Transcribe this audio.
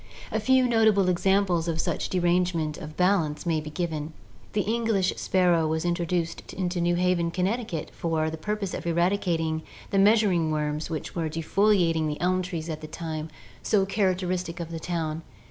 A few notable examples of such derangement of the balance may be given. The English sparrow was introduced into New Haven, Connecticut, for the purpose of eradicating the measuring worms which were defoliating the elm trees at the time so characteristic of the town.